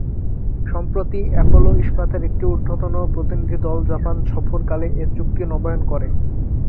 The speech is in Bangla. সম্প্রতি অ্যাপোলো ইস্পাতের একটি ঊর্ধ্বতন প্রতিনিধিদল জাপান সফরকালে এ চুক্তি নবায়ন করে।